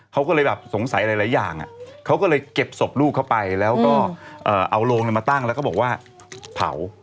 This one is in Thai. เขาก็เลยแบบสงสัยหลายอย่างเขาก็เลยเก็บศพลูกเข้าไปแล้วก็เอาโรงมาตั้งแล้วก็บอกว่าเผา